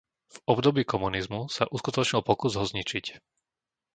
V období komunizmu sa uskutočnil pokus ho zničiť.